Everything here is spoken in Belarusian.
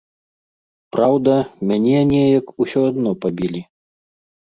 Праўда, мяне неяк усё адно пабілі.